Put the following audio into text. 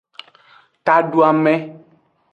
Taduame.